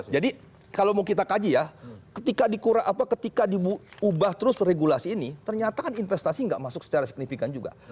jadi kalau mau kita kaji ya ketika diubah terus regulasi ini ternyata kan investasi nggak masuk secara signifikan juga